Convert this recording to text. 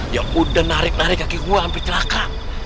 ya udah narik narik kaki gue sampai celaka